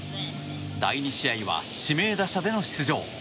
第２試合は指名打者での出場。